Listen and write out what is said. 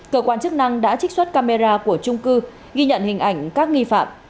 cơ quan chức năng đã trích xuất camera của trung cư ghi nhận hình ảnh các nghi phạm